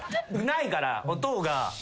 ないからお父が。